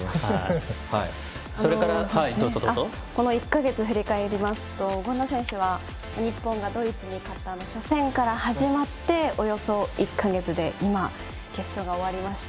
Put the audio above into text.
この１か月を振り返ると権田選手は日本がドイツに勝った初戦から始まっておよそ１か月で今、決勝が終わりました。